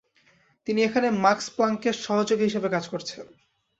তিনি এখানে মাক্স প্লাংকের সহযোগী হিসেবে কাজ করেছেন।